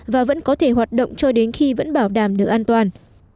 và vẫn có thể hoạt động cho đến khi vẫn bảo đảm được an toàn